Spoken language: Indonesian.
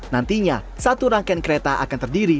nantinya satu rangkaian kereta akan terdiri